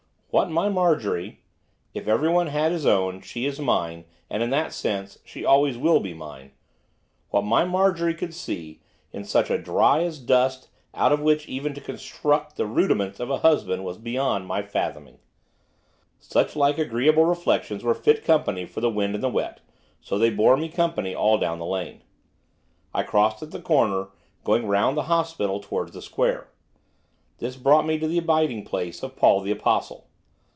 What my Marjorie if everyone had his own, she is mine, and, in that sense, she always will be mine what my Marjorie could see in such a dry as dust out of which even to construct the rudiments of a husband was beyond my fathoming. Suchlike agreeable reflections were fit company for the wind and the wet, so they bore me company all down the lane. I crossed at the corner, going round the hospital towards the square. This brought me to the abiding place of Paul the Apostle.